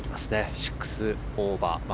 ６オーバー。